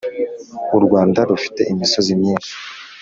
u rwanda rufite imisozi myishi